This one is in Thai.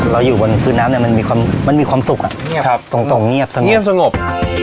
เราอยู่บนคืนน้ำเนี้ยมันมีความมันมีความสุขเนี้ยครับตรงตรงเงียบสงบเงียบสงบ